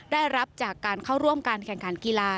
ได้รับจากการเข้าร่วมการแข่งขันกีฬา